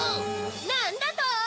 なんだと！